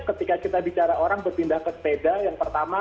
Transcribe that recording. kita bicara orang bertindak ke sepeda yang pertama